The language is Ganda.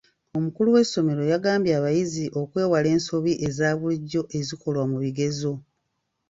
Omukulu w'essomero yagambye abayizi okwewala ensobi eza bulijjo ezikolwa mu bigezo.